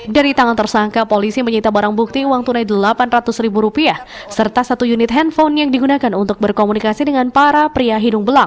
dari tangan tersangka polisi menyita barang bukti uang tunai rp delapan ratus ribu rupiah serta satu unit handphone yang digunakan untuk berkomunikasi dengan para pria hidung belang